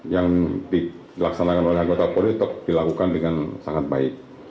yang dilaksanakan oleh anggota polri tetap dilakukan dengan sangat baik